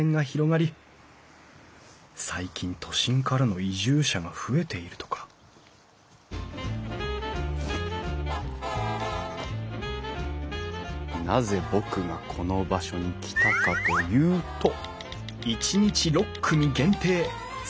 最近都心からの移住者が増えているとかなぜ僕がこの場所に来たかというと。